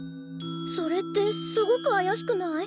それってすごくあやしくない？